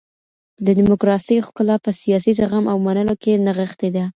د ډيموکراسۍ ښکلا په سياسي زغم او منلو کي نغښتې ده.